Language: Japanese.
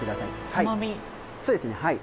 そうですねはい。